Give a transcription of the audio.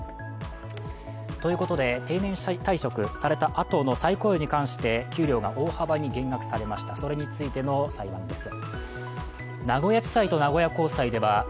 ということで定年退職されたあとの再雇用について、給料が大幅に減額されましたそれについての裁判です。